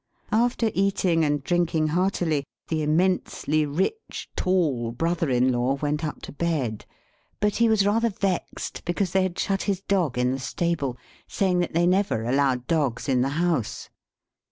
After eating and drinking heartily, the immensely rich, tall brother in law went up to bed; but he was rather vexed, because they had shut his dog in the stable, saying that they never allowed dogs in the house.